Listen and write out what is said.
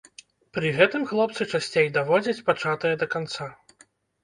Пры гэтым хлопцы часцей даводзяць пачатае да канца.